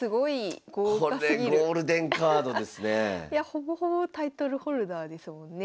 ほぼほぼタイトルホルダーですもんね。